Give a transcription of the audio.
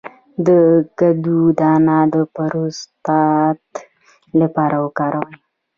د کدو دانه د پروستات لپاره وکاروئ